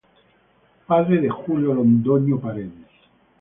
Padre de Julio Londoño Paredes.